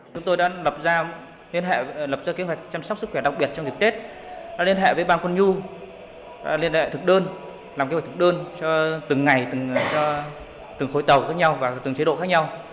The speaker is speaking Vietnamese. chúng tôi đã lập ra kế hoạch chăm sóc sức khỏe đặc biệt trong việc tết đã liên hệ với bang quân nhu liên hệ thực đơn làm kế hoạch thực đơn cho từng ngày từng khối tàu khác nhau và từng chế độ khác nhau